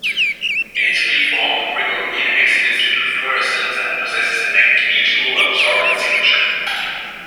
In its free form, RiboGreen exhibits little fluorescence and possesses a negligible absorbance signature.